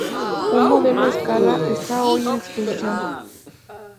Un modelo a escala está hoy en exposición.